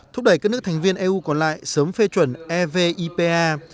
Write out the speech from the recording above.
thúc đẩy các nước thành viên eu còn lại sớm phê chuẩn evipa